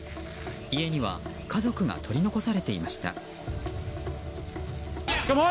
家には家族が取り残されていました。